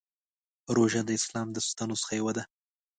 روژه د اسلام د ستنو څخه یوه ده.